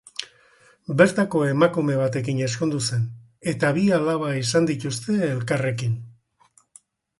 Bertako emakume batekin ezkondu zen, eta bi alaba izan dituzte elkarrekin.